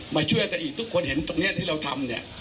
มาช่วยกันอีกทุกคนเห็นตรงนี้ที่เราทำเนี่ย